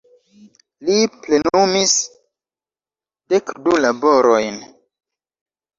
Li plenumis dekdu laborojn.